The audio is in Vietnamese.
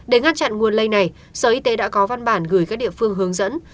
để ngăn chặn nguồn lây này sở y tế đã có văn bản gửi các địa phương hướng dẫn